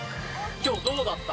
今日どうだった？